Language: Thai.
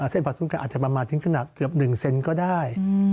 เศรษฐผัสลุการอาจจะมามาทิ้งขนักเกือบ๑เซนตมก็ได้